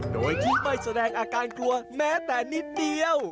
โดยที่ไม่แสดงอาการกลัวแม้แต่นิดเดียว